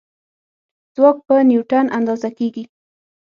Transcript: ځواک په نیوټن اندازه کېږي.